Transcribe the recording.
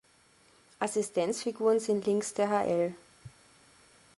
Assistenzfiguren sind links der hl.